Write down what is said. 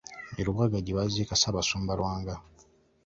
E Lubaga gye baaziika Ssaabasumba Lwanga.